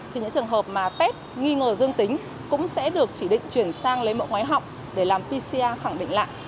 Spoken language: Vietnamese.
thì những trường hợp mà test nghi ngờ dương tính cũng sẽ được chỉ định chuyển sang lấy mẫu ngoái họng để làm pcr khẳng định lại